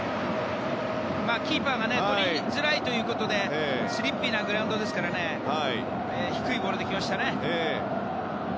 キーパーがとりづらいということでスリッピーなグラウンドなので低いボールできましたね。